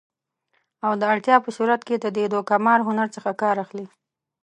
او د اړتیا په صورت کې د دې دوکه مار هنر څخه کار اخلي